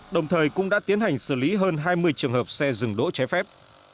đồng thời cũng đã tiến hành xử lý hơn hai mươi trường hợp xe dừng đỗ trái phép